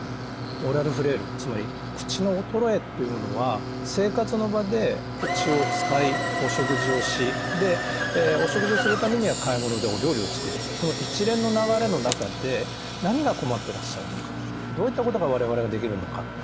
オーラルフレイルつまり口の衰えっていうものは生活の場で口を使いお食事をしでお食事をするためには買い物でお料理を作るこの一連の流れの中で何が困ってらっしゃるのかどういったことが我々ができるのか。